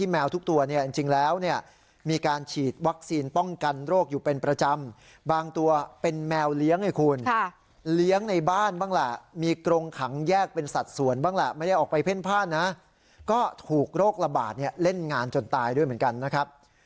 แมวเลี้ยงไอ้คุณค่ะเลี้ยงในบ้านบ้างล่ะมีกรงขังแยกเป็นสัตว์ส่วนบ้างล่ะไม่ได้ออกไปเพ่นภาพนะก็ถูกโรคระบาดเนี้ยเล่นงานจนตายด้วยเหมือนกันนะครับ